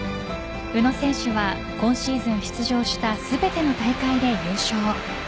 宇野選手は今シーズン出場した全ての大会で優勝。